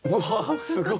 すごい！